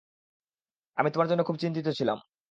আমি তোমার জন্য খুব চিন্তিত ছিলাম।